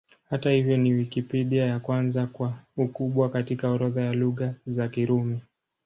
Hata hivyo, ni Wikipedia ya kwanza kwa ukubwa katika orodha ya Lugha za Kirumi.